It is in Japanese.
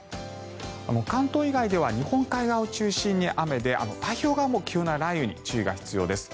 関東以外では日本海側を中心に雨で太平洋側も急な雷雨に注意が必要です。